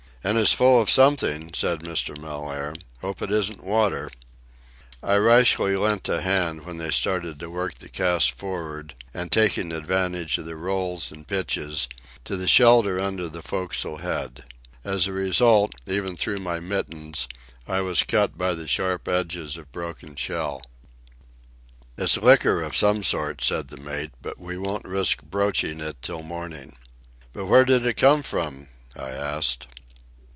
"And it's full of something," said Mr. Mellaire. "Hope it isn't water." I rashly lent a hand when they started to work the cask for'ard, between seas and taking advantage of the rolls and pitches, to the shelter under the forecastle head. As a result, even through my mittens, I was cut by the sharp edges of broken shell. "It's liquor of some sort," said the mate, "but we won't risk broaching it till morning." "But where did it come from?" I asked.